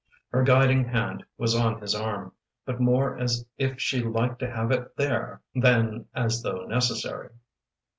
Her guiding hand was on his arm, but more as if she liked to have it there, than as though necessary.